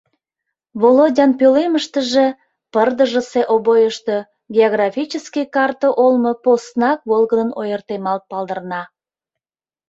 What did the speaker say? Володян пӧлемыштыже пырдыжысе обойышто географический карта олмо поснак волгыдын ойыртемалт палдырна.